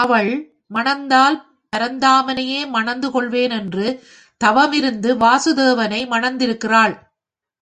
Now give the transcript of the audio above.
அவள், மணந்தால் பரந்தாமனையே மணந்து கொள்வேன் என்று தவமிருந்து வாசுதேவனை மணந்திருக்கிறாள்.